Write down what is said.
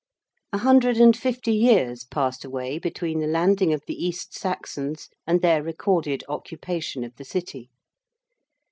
A hundred and fifty years passed away between the landing of the East Saxons and their recorded occupation of the City.